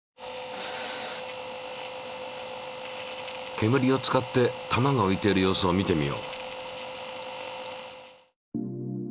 けむりを使って球が浮いている様子を見てみよう。